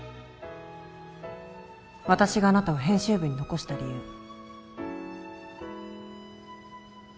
私があなたを編集部に残した理由